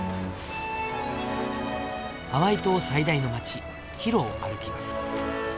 ハワイ島最大の街ヒロを歩きます。